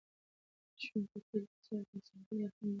ژوند په کلي کې سره له سختۍ ډېر خوندور دی.